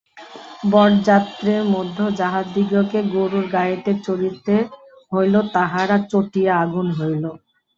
বরযাত্রের মধ্যে যাহাদিগকে গোরুর গাড়িতে চড়িতে হইল তাহারা চটিয়া আগুন হইল।